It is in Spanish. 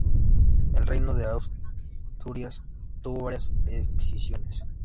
El Reino de Asturias tuvo varias escisiones.